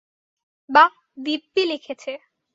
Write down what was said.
– বাঃ দিব্যি লিখেছে!